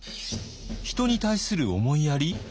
人に対する思いやり？